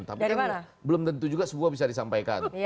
tapi kan belum tentu juga semua bisa disampaikan